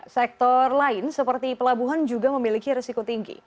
sektor lain seperti pelabuhan juga memiliki resiko tinggi